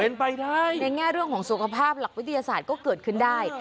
เป็นไปได้ในแง่เรื่องของสุขภาพหลักวิทยาศาสตร์ก็เกิดขึ้นได้